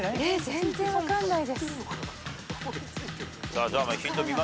全然分かんない。